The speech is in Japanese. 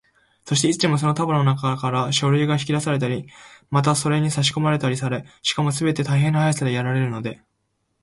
そして、いつでもその束のなかから書類が引き出されたり、またそれにさしこまれたりされ、しかもすべて大変な速さでやられるので、